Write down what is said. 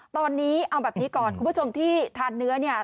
ตอนนี้เอาแบบนี้ก่อนคุณผู้ชมที่ทานเนื้อเนี่ย